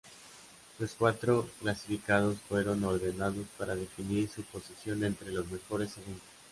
Los cuatro clasificados, fueron ordenados para definir su posición entre los mejores segundos.